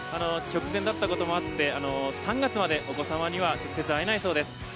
直前だったこともあって３月までお子様には直接会えないそうです。